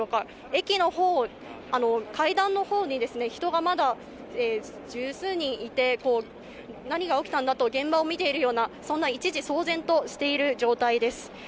駅の階段のほうに人がまだ十数人いて、何が起きたんだと現場を見ているような、そんな一時騒然としている状態です。